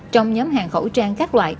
trong nhóm hàng khẩu trang các loại